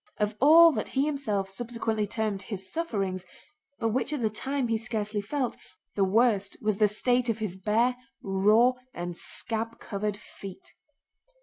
Of all that he himself subsequently termed his sufferings, but which at the time he scarcely felt, the worst was the state of his bare, raw, and scab covered feet.